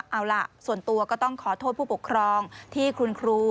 เอาล่ะส่วนตัวก็ต้องขอโทษผู้ปกครองที่คุณครู